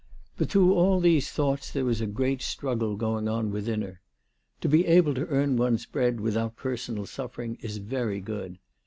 But through all these thoughts there was a great struggle going on within her s . To be able to earn one's bread without personal suffering is very good.